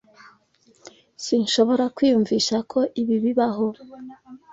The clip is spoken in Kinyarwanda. Sinshobora kwiyumvisha ko ibi bibaho.